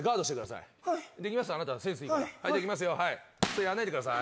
それ、やんないでください。